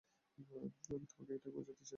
আমি তোমাকে এটাই বুঝাতে চাচ্ছিলাম।